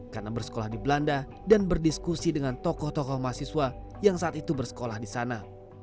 karena bersekolah di belanda dan berdiskusi dengan tokoh tokoh mahasiswa yang saat itu bersekolah di sana